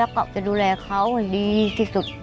ก็จะดูแลเขาให้ดีที่สุด